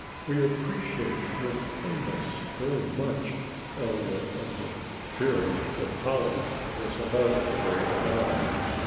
"We appreciate your kindness very much," Eleanor added, fearing that Polly was about to break down.